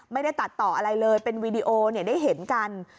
ไม่ได้ตัดต่ออะไรเลยเป็นวีดีโอได้เห็นกัน